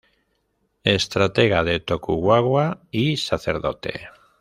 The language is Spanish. Estratega de Tokugawa y Sacerdote.